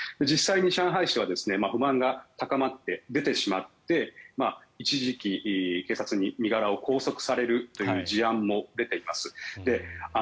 実際に上海市では不満が高まって出てしまって一時期、警察に身柄を拘束されるという事案も出ています。